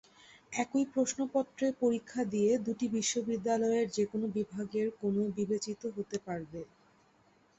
একই প্রশ্নপত্রে পরীক্ষা দিয়ে দুটি বিশ্ববিদ্যালয়ের যেকোনো বিভাগের জন্য বিবেচিত হতে পারবে।